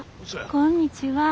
こんにちは。